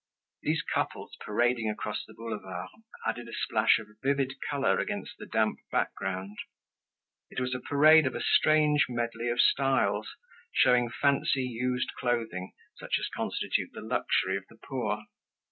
These couples parading across the boulevard added a splash of vivid color against the damp background. It was a parade of a strange medley of styles showing fancy used clothing such as constitute the luxury of the poor.